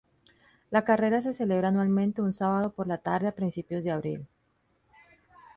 La carrera se celebra anualmente un sábado por la tarde a principios de abril.